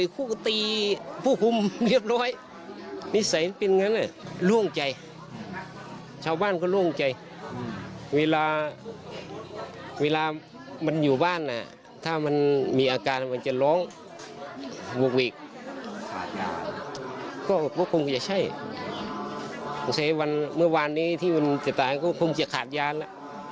ก็คงจะใช่ตั้งแต่วันเมื่อวานนี้ที่วันตายก็คงจะขาดยานล่ะ